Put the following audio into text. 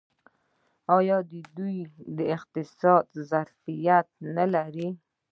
آیا د دوی اقتصاد ډیر ظرفیت نلري؟